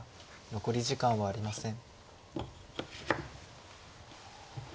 残り時間はありません。